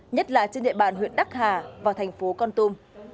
nhất là trên địa bàn huyện đắc hà và thành phố con tum